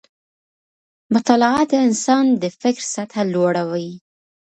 مطالعه د انسان د فکر سطحه لوړه وي